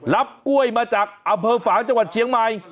รับกล้วยมาจากอำเภอฝางจังหวัดเชียงใหม่